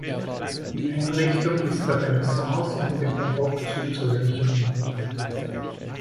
Die Einrichtung ist der Renaissance und dem Barock zuzurechnen.